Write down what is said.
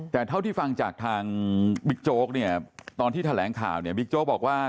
แต่เท่าที่ฟังจากทางบิ๊กโจ๊กเนี่ยตอนที่แถลงข่าวเนี่ยบิ๊กโจ๊กบอกว่า